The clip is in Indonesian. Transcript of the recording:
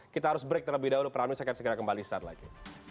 kita harus break terlebih dahulu peran ini saya akan segera kembali saat lagi